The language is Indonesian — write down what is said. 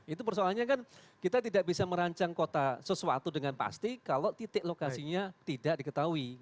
itu persoalannya kan kita tidak bisa merancang kota sesuatu dengan pasti kalau titik lokasinya tidak diketahui